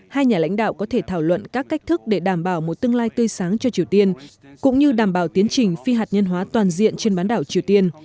hai nhà lãnh đạo có thể thảo luận các cách thức để đảm bảo một tương lai tươi sáng cho triều tiên cũng như đảm bảo tiến trình phi hạt nhân hóa toàn diện trên bán đảo triều tiên